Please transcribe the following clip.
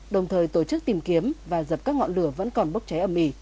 đồng thời tổ chức tìm kiếm và dập các ngọn lửa vẫn còn bốc cháy âm ỉ